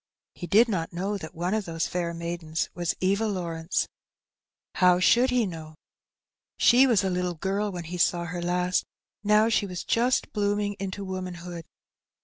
He did not know that one of those fair maidens was Eva Law rence; how should he know? She was a little girl when he saw her last, now she was just blooming into womanhood.